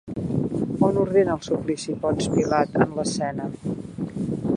On ordena el suplici Ponç Pilat en l'escena?